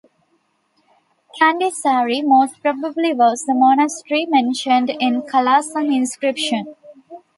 Candi Sari most probably was the monastery mentioned in Kalasan inscription.